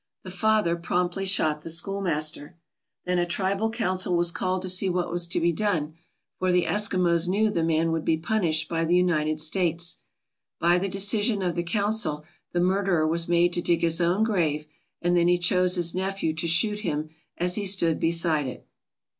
The father promptly shot the schoolmaster. ' Then a tri bal council was called to see what was to be done, for the Eskimos knew the man woujd be punished by the United States. By the decision of the council, the murderer was made to dig his own grave and then he chose his nephew to shoot him as he stood beside it.